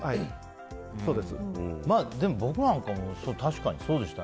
でも、僕なんかも確かにそうでした。